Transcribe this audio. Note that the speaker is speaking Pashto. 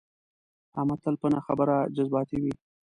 احمد تل په نه خبره جذباتي وي.